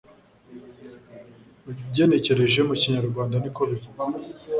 ugenekereje mu Kinyarwanda niko bivugwa